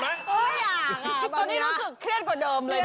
อยากตอนนี้รู้สึกเครียดกว่าเดิมเลย